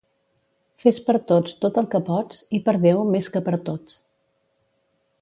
Fes per tots tot el que pots i per Déu més que per tots.